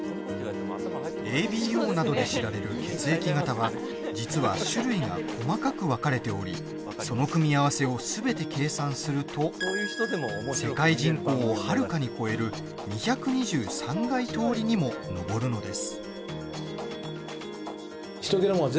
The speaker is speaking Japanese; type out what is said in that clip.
ＡＢＯなどで知られる血液型は実は種類が細かく分かれておりその組み合わせをすべて計算すると世界人口をはるかに超える２２３垓とおりにも上るのです。